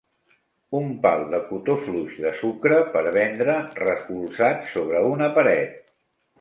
Un pal de cotó fluix de sucre per vendre recolzat sobre una paret.